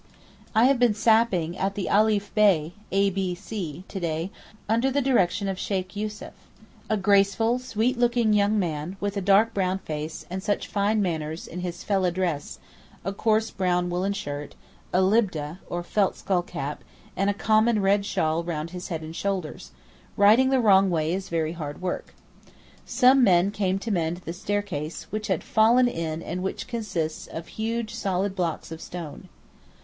I have been 'sapping' at the Alif Bey (A B C) to day, under the direction of Sheykh Yussuf, a graceful, sweet looking young man, with a dark brown face and such fine manners, in his fellah dress—a coarse brown woollen shirt, a libdeh, or felt skull cap, and a common red shawl round his head and shoulders; writing the wrong way is very hard work. Some men came to mend the staircase, which had fallen in and which consists of huge solid blocks of stone.